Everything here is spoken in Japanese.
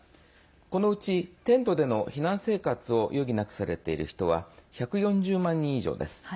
このうち、テントでの避難生活を余儀なくされている人は１４０万人以上です。